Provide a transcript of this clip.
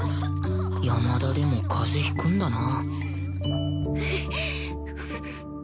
山田でも風邪引くんだな